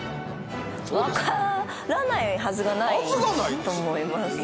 わからないはずがないと思いますね。